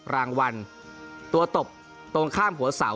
รางวัลตัวตบตรงข้ามหัวเสา